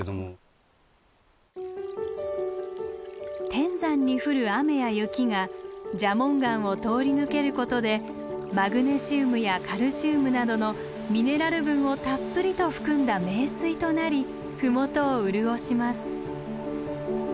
天山に降る雨や雪が蛇紋岩を通り抜けることでマグネシウムやカルシウムなどのミネラル分をたっぷりと含んだ名水となり麓を潤します。